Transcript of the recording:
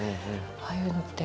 ああいうのって